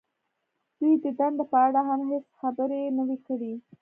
دوی د دندې په اړه هم هېڅ خبرې نه وې کړې